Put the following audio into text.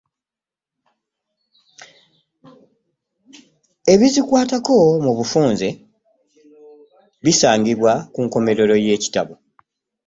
Ebizikwatako mu bufunze bisangibwa ku nkomerero y'ekitabo.